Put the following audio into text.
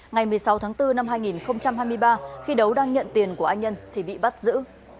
ngày một mươi sáu tháng bốn năm hai nghìn hai mươi ba khi đấu đang nhận tiền của anh nhân thì bị bắt giữ